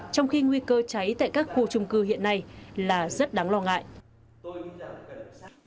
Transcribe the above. trong khi nguy cơ cháy tại các khu trung cư hiện nay là rất đáng lo ngại